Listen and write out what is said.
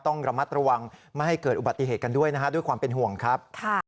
ต้องระมัดระวังไม่ให้เกิดอุบัติเหตุกันด้วยนะฮะด้วยความเป็นห่วงครับ